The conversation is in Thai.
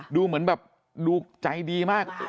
ดูเหมือนแบบดูใจดีมาก